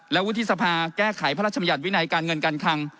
และวุฒิสภาแก้ไขพระราชมัญญัติวินัยการเงินการคัง